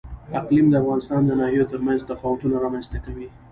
اقلیم د افغانستان د ناحیو ترمنځ تفاوتونه رامنځ ته کوي.